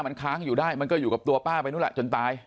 มันค้างอยู่ได้มันก็อยู่กับตัวป้าไปนู่นแหละจนตาย